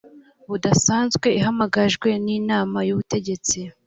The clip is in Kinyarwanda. budasanzwe ihamagajwe n inama y ubutegetsi